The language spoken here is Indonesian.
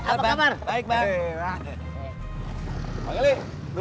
apa kabar baik banget